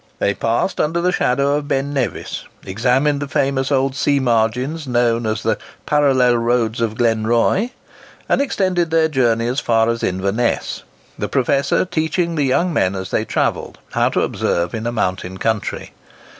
They passed under the shadow of Ben Nevis, examined the famous old sea margins known as the "parallel roads of Glen Roy," and extended their journey as far as Inverness; the professor teaching the young men as they travelled how to observe in a mountain country.